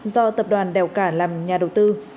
do tập đoàn đèo cả làm nhà đầu tư